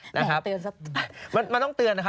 แหม่งเตือนซักทีนะครับมันต้องเตือนนะครับ